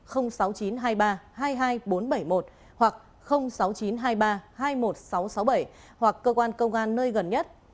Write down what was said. hoặc sáu nghìn chín trăm hai mươi ba hai mươi một nghìn sáu trăm sáu mươi bảy hoặc cơ quan công an nơi gần nhất